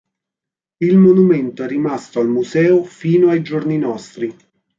Il monumento è rimasto al museo fino ai giorni nostri.